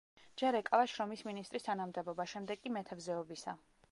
ჯერ ეკავა შრომის მინისტრის თანამდებობა, შემდეგ კი მეთევზეობისა.